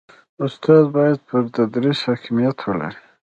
استاد باید پر تدریس حاکمیت ولري.